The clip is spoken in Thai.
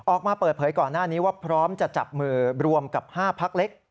ออกมาเปิดเผยก่อนหน้านี้ว่าพร้อมจะจับมือรวมกับ๕พักเล็ก